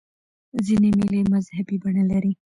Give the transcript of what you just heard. ځیني مېلې مذهبي بڼه لري.